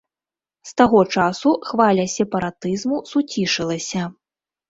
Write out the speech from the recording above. З таго часу хваля сепаратызму суцішылася.